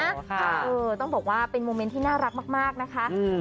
เออต้องบอกว่าเป็นโมเมนต์ที่น่ารักมากนะคะ